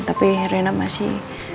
tapi rena masih